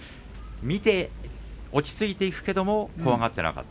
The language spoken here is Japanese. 落ち着いていくけれども怖がっていなかった。